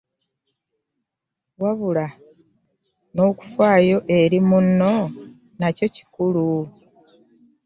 Wabula nokufaayo eri munno nakyo kikulu.